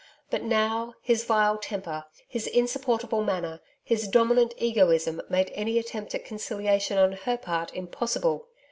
But now, his vile temper, his insupportable manner, his dominant egoism made any attempt of conciliation on her part impossible.